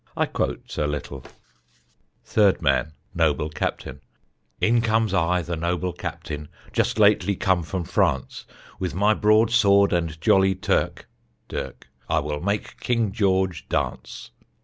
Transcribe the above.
I quote a little: Third Man Noble Captain: In comes I, the Noble Captain, Just lately come from France; With my broad sword and jolly Turk [dirk] I will make King George dance.